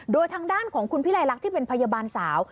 โดยทางด้านของคุณพิไลลักษณ์ที่เป็นพยาบาลสาว